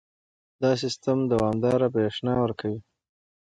دا سیستم دوامداره برېښنا ورکوي.